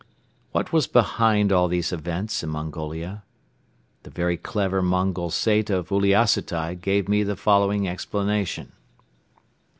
What was behind all these events in Mongolia? The very clever Mongol Sait of Uliassutai gave me the following explanation.